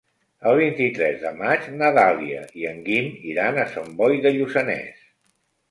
El vint-i-tres de maig na Dàlia i en Guim iran a Sant Boi de Lluçanès.